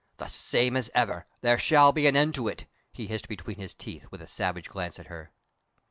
"The same as ever. There shall be an end to it!" he hissed between his teeth, with a savage glance at her.